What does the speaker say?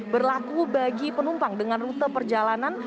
berlaku bagi penumpang dengan rute perjalanan